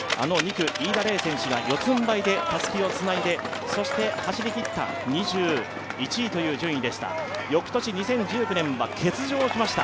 飯田怜選手が四つんばいでたすきをつないで走りきった、２１位という順位でした、翌年２０１９年は欠場しました。